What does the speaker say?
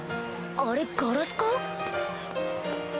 あれガラスか？